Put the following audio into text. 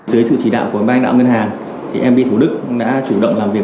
dưới sự chỉ đạo của ban đạo ngân hàng mp thủ đức đã chủ động làm việc